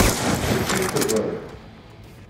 Teḍḍef-itt tezɣint.